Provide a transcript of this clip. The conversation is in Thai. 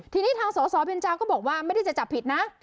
ทีนี้ทางสสเบนเจ้าก็บอกว่าไม่ได้จะจับผิดนะ